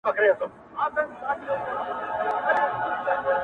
د خدای د عرش قهر د دواړو جهانونو زهر!